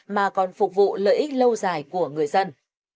mà còn phục vụ lợi ích lâu dài của người dân